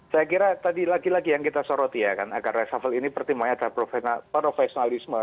saya kira tadi lagi lagi yang kita soroti ya kan agar resafel ini pertimbangannya ada profesionalisme